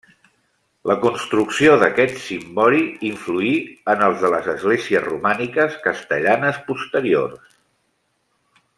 La construcció d'aquest cimbori influí en els de les esglésies romàniques castellanes posteriors.